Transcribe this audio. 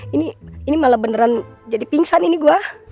ini malah beneran jadi pingsan ini gue